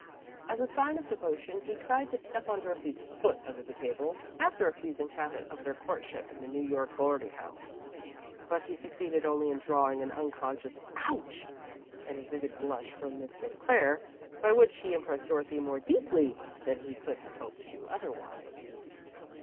As a sign of devotion, he tried to step on Dorothy's foot under the table, after a pleasing habit of their courtship in the New York boarding house, but he succeeded only in drawing an unconscious "ouch" and a vivid blush from Miss St. Clair, by which he impressed Dorothy more deeply than he could have hoped to do otherwise.